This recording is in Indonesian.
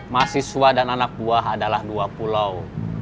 mahasiswa dan anak buah adalah dua pulau